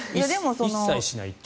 一切しないという。